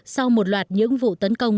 sau một loạt những vụ tấn công